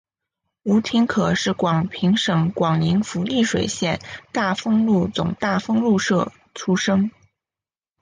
吴廷可是广平省广宁府丽水县大丰禄总大丰禄社出生。